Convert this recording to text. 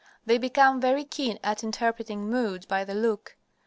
They become very keen at interpreting moods by the look.